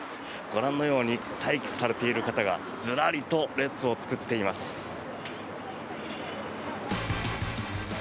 ご覧のように待機されている方がずらりと列を作っています。